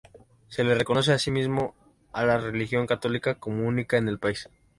Se le reconoce así mismo a la religión católica como única en el país.